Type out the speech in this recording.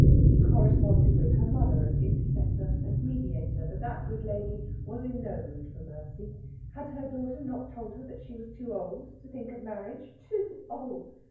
He corresponded with her mother as intercessor and mediator, but that good lady was in no mood for mercy: had her daughter not told her that she was too old to think of marriage? Too old!